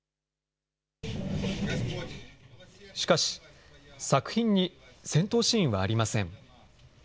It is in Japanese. しかし、作品に戦闘シーンはありません。